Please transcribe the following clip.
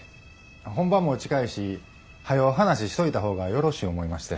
本番も近いしはよ話しといた方がよろしい思いまして。